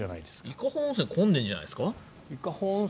伊香保温泉混んでるんじゃないですか？